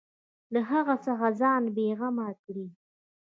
له هغه څخه ځان بېغمه کړي.